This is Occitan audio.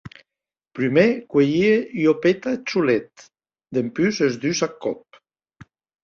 Prumèr cuelhie ua peta eth solet, dempús es dus ath còp.